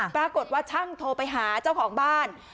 ปรากฏว่าช่างโทรไปหาเจ้าของบ้าน